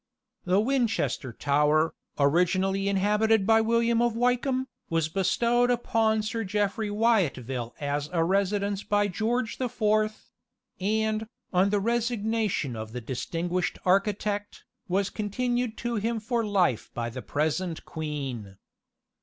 The Winchester Tower, originally inhabited by William of Wykeham, was bestowed upon Sir Jeffry Wyatville as a residence by George the Fourth; and, on the resignation of the distinguished architect, was continued to him for life by the present queen.